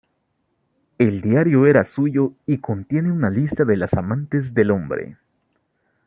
El diario era suyo y contiene una lista de las amantes del hombre.